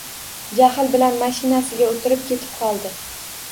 Jahl bilan mashinasiga oʻtirib ketib qoldi.